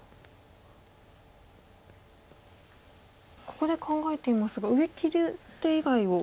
ここで考えていますが上切る手以外を。